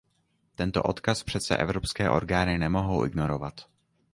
Tento odkaz přece evropské orgány nemohou ignorovat.